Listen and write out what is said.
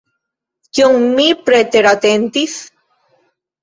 Kion mi preteratentis?